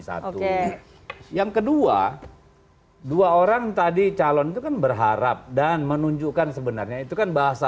satu yang kedua dua orang tadi calon itu kan berharap dan menunjukkan sebenarnya itu kan bahasa